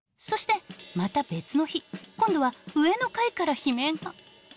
そしてまた別の日今度は上の階から悲鳴が。